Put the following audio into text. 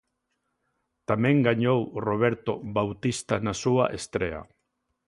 Tamén gañou Roberto Bautista na súa estrea.